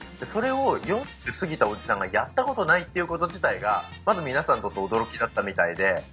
それを４０過ぎたおじさんがやったことないっていうこと自体がまず皆さんにとって驚きだったみたいで。